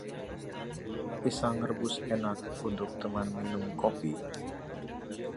pisang rebus enak untuk teman minum kopi